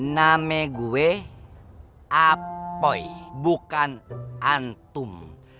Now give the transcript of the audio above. nama gue apoy bukan antum